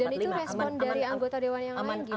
dan itu respon dari anggota dewan yang lain gimana